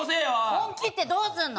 本気ってどうすんの？